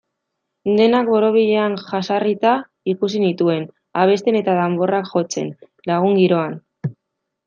Denak borobilean jesarrita ikusi nituen, abesten eta danborrak jotzen, lagun-giroan.